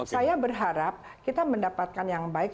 saya berharap kita mendapatkan yang baik